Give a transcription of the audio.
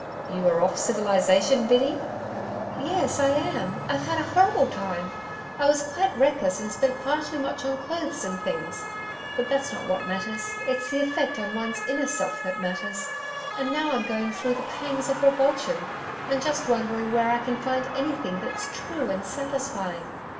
'You are off civilization, Biddy?' 'Yes I am, I've had a horrible time. I was quite reckless and spent far too much on clothes and things but that's not what matters it's the effect on one's inner self that matters. And now I'm going through the pangs of revulsion, and just wondering where I can find anything that's true and satisfying.